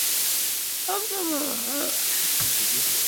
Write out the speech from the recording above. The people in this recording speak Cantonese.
後來才發現現實和想像相去甚遠